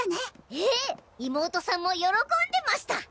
ええ妹さんも喜んでました！